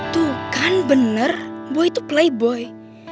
tuh kan bener boy itu playboy